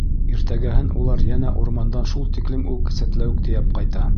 Иртәгәһен улар йәнә урмандан шул тиклем үк сәтләүек тейәп ҡайта.